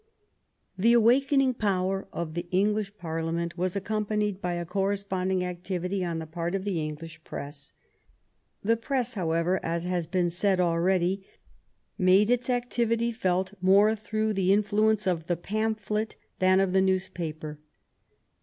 The awakening power of the English Parliament was accompanied by a corresponding activity on the part of the English press. The press, however, as has been said already, made its activity felt more through the influence of the pamphlet than of the newspaper.